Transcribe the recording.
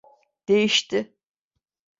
Değişti.